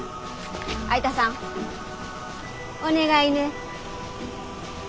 相田さんお願いね。